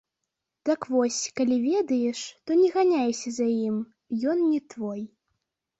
Так вось, калі ведаеш, то не ганяйся за ім, ён не твой.